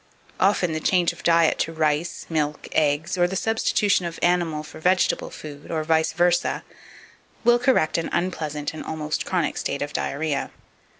Often the change of diet to rice, milk, eggs, or the substitution of animal for vegetable food, or vice versa, will correct an unpleasant and almost chronic state of diarrhoea.